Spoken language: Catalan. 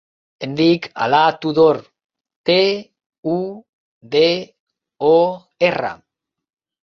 Em dic Alaa Tudor: te, u, de, o, erra.